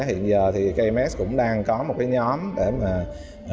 hiện giờ thì gms cũng đang có một cái nhóm để mà